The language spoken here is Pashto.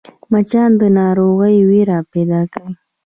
مچان د ناروغۍ وېره پیدا کوي